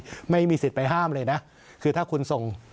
ผมไม่มีสิทธิ์ไปห้ามเลยนะคือถ้าคุณส่ง